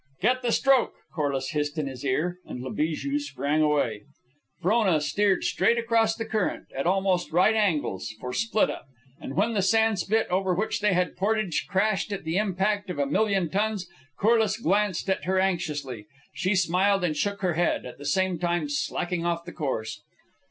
"Get the stroke!" Corliss hissed in his ear, and La Bijou sprang away. Frona steered straight across the current, at almost right angles, for Split up; but when the sandspit, over which they had portaged, crashed at the impact of a million tons, Corliss glanced at her anxiously. She smiled and shook her head, at the same time slacking off the course.